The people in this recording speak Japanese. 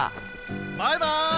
バイバイ！